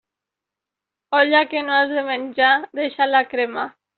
Olla que no has de menjar, deixa-la cremar.